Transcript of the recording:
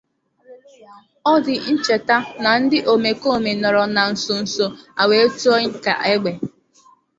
Ọ dị ncheta na ndị omekóòmè nọrọ na nsonso a wee tụọ ka égbé